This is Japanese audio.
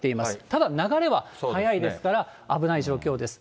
ただ、流れは速いですから、危ない状況です。